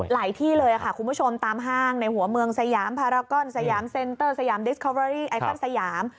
ที่เลยค่ะคุณผู้ชมตามห้างในหัวเมืองสยามพารากอนสยามเซ็นเตอร์สยามดิสคอเวอรี่ไอคอนสยาม